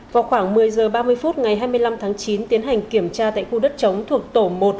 vào khoảng một mươi h ba mươi phút ngày hai mươi năm tháng chín tiến hành kiểm tra tại khu đất chống thuộc tổ một